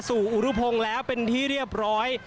อุรุพงศ์แล้วเป็นที่เรียบร้อย